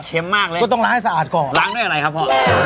มากเลยก็ต้องล้างให้สะอาดก่อนล้างด้วยอะไรครับพ่อ